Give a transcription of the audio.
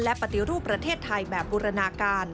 และปฏิรูปประเทศไทยแบบบูรณาการ